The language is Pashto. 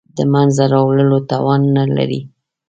د منځته راوړلو توان نه لري.